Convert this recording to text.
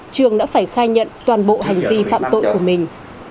trường đã phải khai nhận toàn bộ hành vi phạm tội của mình